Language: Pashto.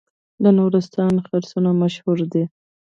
د نورستان خرسونه مشهور دي